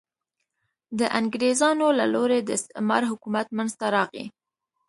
د انګرېزانو له لوري د استعمار حکومت منځته راغی.